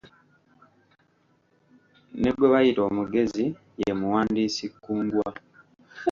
Ne gwe bayita omugezi ye muwandiisi kkungwa.